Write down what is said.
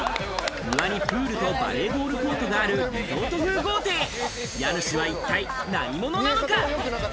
庭にプールとバレーボールコートがあるリゾート風豪邸、家主は一体何者なのか？